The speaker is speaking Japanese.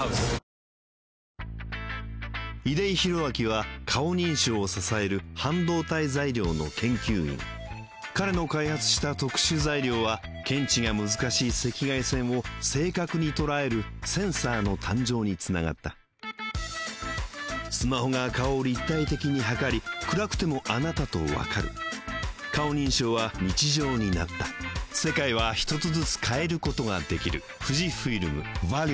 出井宏明は顔認証を支える半導体材料の研究員彼の開発した特殊材料は検知が難しい赤外線を正確に捉えるセンサーの誕生につながったスマホが顔を立体的に測り暗くてもあなたとわかる顔認証は日常になった俺の名はＭｒ．ＮＥＶＥＲ。